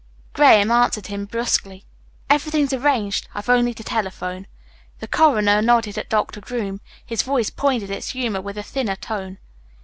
Graham answered him brusquely. "Everything's arranged. I've only to telephone." The coroner nodded at Doctor Groom. His voice pointed its humour with a thinner tone.